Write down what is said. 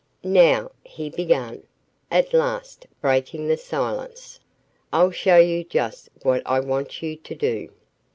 "Now," he began, at last, breaking the silence, "I'll show you just what I want you to do."